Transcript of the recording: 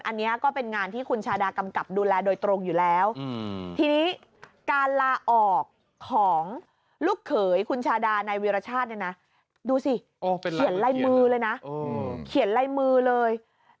อันนี้ก็เป็นงานที่คุณชาดากำกับดูแลโดยตรงอยู่แล้วทีนี้การลาออกของลูกเขยคุณชาดานายวีรชาติเนี่ยนะดูสิเขียนลายมือเลยนะเขียนลายมือเลย